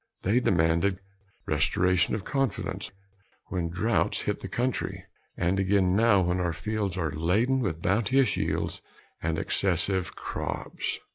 They demanded "restoration of confidence" when droughts hit the country and again now when our fields are laden with bounteous yields and excessive crops.